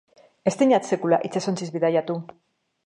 Ez dinat sekula itsasoz bidaiatu.